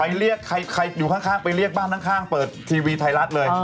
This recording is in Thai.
เรียกใครอยู่ข้างไปเรียกบ้านข้างเปิดทีวีไทยรัฐเลย